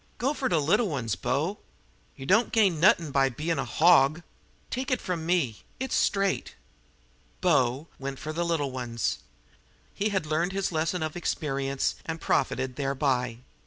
Go fer de little ones, bo. Yer don't gain nuttin' by bein' a hawg. Take it from me it's straight!" "Bo" went for the little ones. He had learned his lesson of experience, and profited thereby.